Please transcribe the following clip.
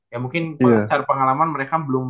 ya mungkin secara pengalaman mereka belum